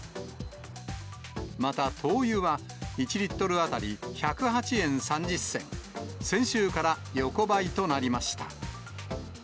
また、灯油は１リットル当たり１０８円３０銭、先週から横ばいとなりました。